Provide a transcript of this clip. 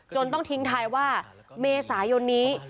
ต้องทิ้งท้ายว่าเมษายนนี้